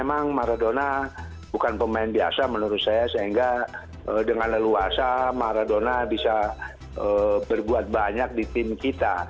dan maradona bukan pemain biasa menurut saya sehingga dengan leluasa maradona bisa berbuat banyak di tim kita